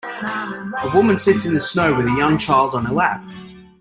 A woman sits in the snow with a young child on her lap.